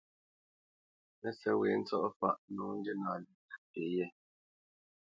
Mə́sɛ̌t wě ntsɔ̂faʼ nǒ ndína lyéʼ nəpí yɛ̌.